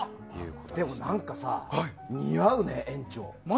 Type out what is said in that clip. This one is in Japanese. でも、何かさ似合うね、園長。